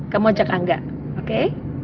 kamu ajak angga oke